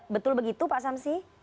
betul begitu pak samsi